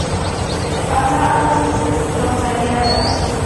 د الله امر ته سر ټیټول بریا ده.